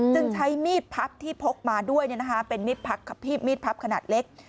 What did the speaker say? จึงใช้มีดพับที่พกมาด้วยเป็นมีดพับขนาดเล็ก